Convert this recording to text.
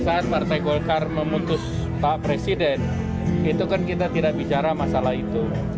saat partai golkar memutus pak presiden itu kan kita tidak bicara masalah itu